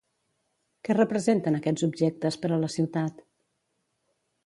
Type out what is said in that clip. Què representen aquests objectes per a la ciutat?